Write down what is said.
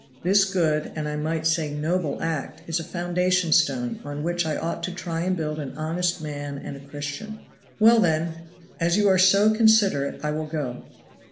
This good and, I might say, noble act is a foundation stone on which I ought to try and build an honest man and a Christian." "Well, then, as you are so considerate I will go."